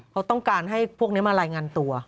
เขาต้องการให้พวกนี้มารายงานตัว